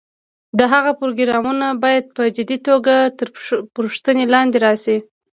د هغه پروګرامونه باید په جدي توګه تر پوښتنې لاندې راشي.